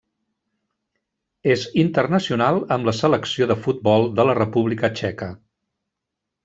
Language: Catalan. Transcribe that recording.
És internacional amb la selecció de futbol de la República Txeca.